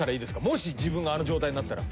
もし自分があの状態になったら。